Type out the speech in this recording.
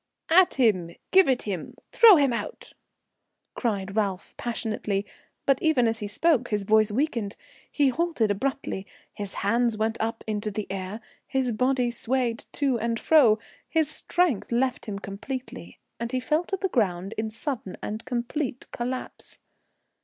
"At him! Give it him! Throw him out!" cried Ralph passionately. But even as he spoke his voice weakened, he halted abruptly; his hands went up into the air, his body swayed to and fro, his strength left him completely, and he fell to the ground in sudden and complete collapse.